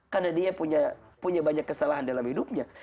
karena dia punya banyak kesalahan dalam hidupnya